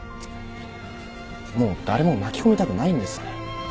もう誰も巻き込みたくないんです。